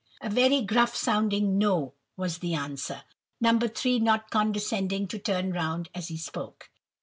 A very gruff sounding "No," was the answer—No. 3 not condescending to turn round as he spoke.